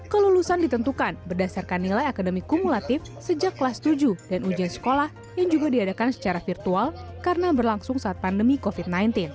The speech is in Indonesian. kelulusan ditentukan berdasarkan nilai akademi kumulatif sejak kelas tujuh dan ujian sekolah yang juga diadakan secara virtual karena berlangsung saat pandemi covid sembilan belas